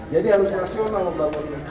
jadi harus rasional membangun